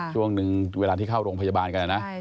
ช่วงหนึ่งเวลาที่เข้าโรงพยาบาลกันนะ